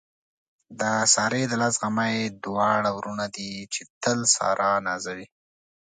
د سارې د لاس غمي دواړه وروڼه دي، چې تل ساره نازوي.